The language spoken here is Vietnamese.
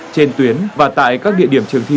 trên tuyến và tại các địa điểm trường thi